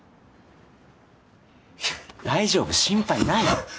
大丈夫。心配ない